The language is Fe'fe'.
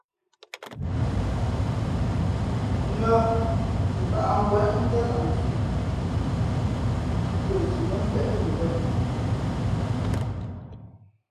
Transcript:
Nʉᾱ mbǎʼnkwéʼ ntén lah nzʉ̄ʼ sī nkwe zū mά mbéʼ mʉ bᾱ.